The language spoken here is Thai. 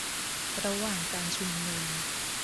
ระหว่างการชุมนุม